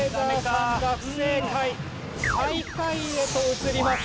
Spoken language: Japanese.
最下位へと移ります。